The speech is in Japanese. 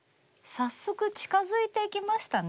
早速近づいていきましたね。